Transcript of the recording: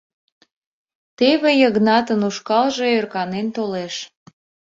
Теве Йыгнатын ушкалже ӧрканен толеш.